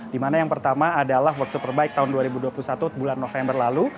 di mana yang pertama adalah world superbike tahun dua ribu dua puluh satu bulan november lalu